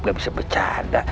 gak bisa bercanda